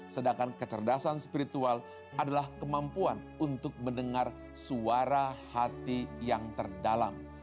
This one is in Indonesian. sedangkan kecerdasan spiritual adalah kemampuan untuk mendengar suara hati yang terdalam